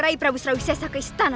yang berada di bewakuffah